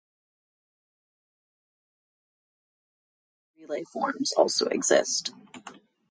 Most of these are individual sports, although team and relay forms also exist.